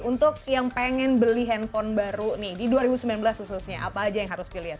untuk yang pengen beli handphone baru nih di dua ribu sembilan belas khususnya apa aja yang harus dilihat